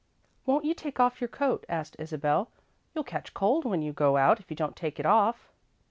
"Won't you take off your coat?" asked Isabel. "You'll catch cold when you go out, if you don't take it off."